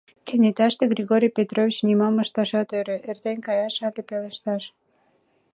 Кенеташте Григорий Петрович нимом ышташат ӧрӧ: эртен каяш, але пелешташ?